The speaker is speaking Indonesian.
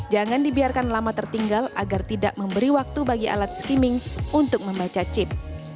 jangan dibiarkan lama tertinggal agar tidak memberi waktu bagi alat skimming untuk membaca chip